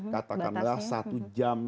katakanlah satu jam